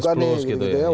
kjs plus gitu ya